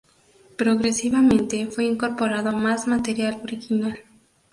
Progresivamente, fue incorporando más material original.